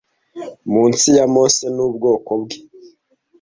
munsi ya mose n’ubwoko bwe